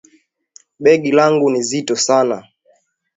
Begi langu ni zito sana